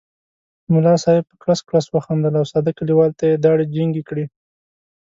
ملا صاحب په کړس کړس وخندل او ساده کلیوال ته یې داړې جینګې کړې.